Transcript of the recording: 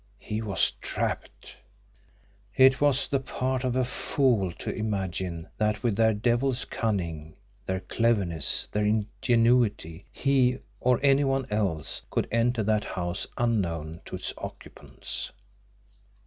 He was trapped! It was the part of a fool to imagine that with their devil's cunning, their cleverness, their ingenuity, he, or any one else, could enter that house unknown to its occupants!